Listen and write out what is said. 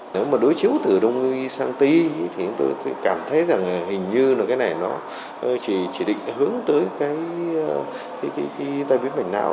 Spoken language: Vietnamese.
nếu mà đối chiếu từ đông ngư sang tí thì chúng tôi cảm thấy rằng hình như là cái này nó chỉ định hướng tới cái tai biến bệnh não